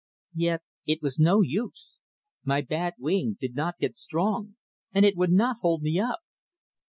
Yet it was no use. My bad wing did not get strong, and it would not hold me up.